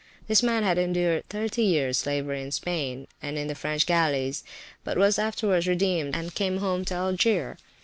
This man had endured thirty years slavery in Spain, and in the French gallies, but was afterwards redeemed and came home to Algier.